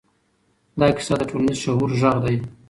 دا کیسه د ټولنیز شعور غږ دی.